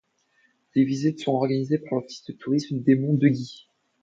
Des visites sont organisées par l'office de tourisme des monts de Gy.